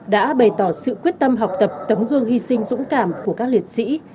đã bày tỏ sự quyết tâm học tập tấm gương hy sinh dũng cảm của các liệt sĩ